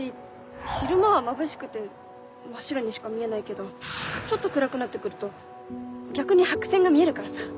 昼間はまぶしくて真っ白にしか見えないけどちょっと暗くなって来ると逆に白線が見えるからさ。